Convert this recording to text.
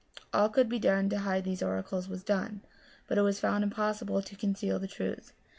All that could be done to hide these oracles was done, but it was found im possible to conceal the truth.